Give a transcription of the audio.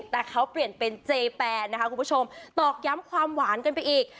แต่เขาเปลี่ยนเป็นเจแปนนะคะคุณผู้ชมตอกย้ำความหวานกันไปอีก